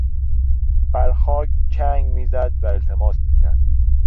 بر خاک چنگ میزد و التماس میکرد.